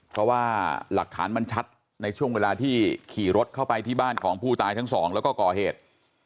เพราะว่าหลักฐานมันชัดในช่วงเวลาที่ขี่รถเข้าไปที่บ้านของผู้ตายทั้งสองแล้วก็ก่อเหตุ